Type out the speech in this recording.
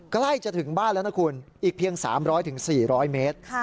ใกล้จะถึงบ้านแล้วนะคุณอีกเพียง๓๐๐๔๐๐เมตร